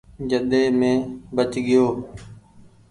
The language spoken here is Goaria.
جڏي مينٚ بچ گيو